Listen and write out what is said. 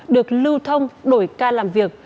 được lưu thông đổi ca làm việc